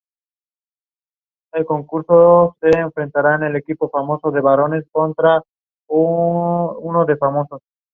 Vivekananda fue un pensador renombrado por derecho propio.